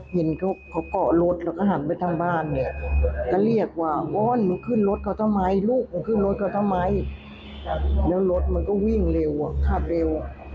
เห็นเขาเกาะรถแล้วก็หันไปทางบ้านเนี่ยก็เรียกว่าอ้อนมึงขึ้นรถเขาทำไมลูกมึงขึ้นรถเขาทำไมแล้วรถมันก็วิ่งเร็วอ่ะขับเร็ว